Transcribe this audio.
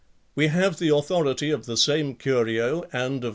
We have the authority of the same Curio, and of M.